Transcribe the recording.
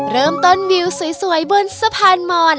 เริ่มต้นวิวสวยบนสะพานมอน